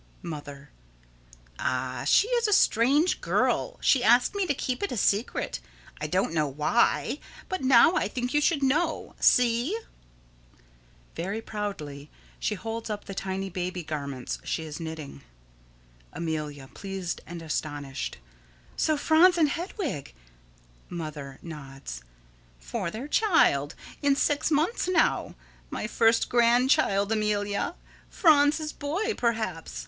Mother: Ah, she is a strange girl! She asked me to keep it a secret, I don't know why, but now I think you should know. See! [Very proudly she holds up the tiny baby garments she is knitting.] Amelia: [Pleased and astonished.] So Franz and Hedwig Mother: [Nods.] For their child. In six months now. My first grandchild, Amelia. Franz's boy, perhaps.